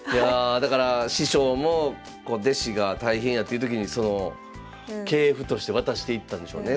だから師匠も弟子が大変やっていう時に系譜として渡していったんでしょうね。